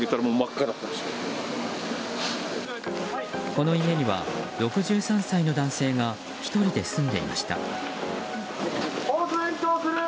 この家には、６３歳の男性が１人で住んでいました。